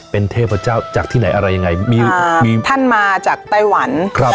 เป็นเทพเจ้าจากที่ไหนอะไรยังไงมีมีท่านมาจากไต้หวันครับ